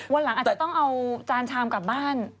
วันหลังอาจจะต้องเอาจานชามกลับบ้าน